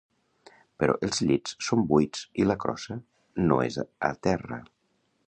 Però els llits són buits i la crossa no és a terra.